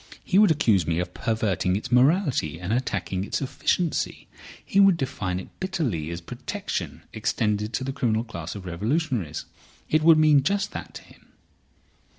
He would accuse me of perverting its morality and attacking its efficiency. He would define it bitterly as protection extended to the criminal class of revolutionists. It would mean just that to him."